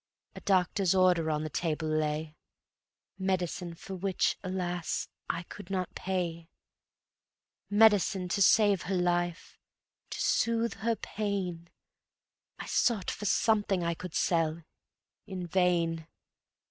A doctor's order on the table lay, Medicine for which, alas! I could not pay; Medicine to save her life, to soothe her pain. I sought for something I could sell, in vain